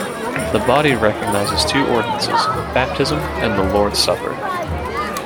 The body recognizes two ordinances - baptism and the Lord's supper.